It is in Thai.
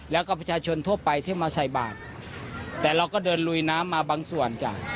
แล้วก็ประชาชนทั่วไปที่มาใส่บาทแต่เราก็เดินลุยน้ำมาบางส่วนจ้ะ